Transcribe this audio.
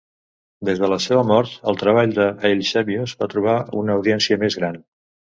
Des de la seva mort, el treball de Eilshemius va trobar una audiència més gran.